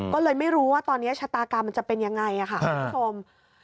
ก็เลยไม่รู้ว่าตอนนี้ชะตากรรมมันจะเป็นยังไงค่ะคุณผู้ชม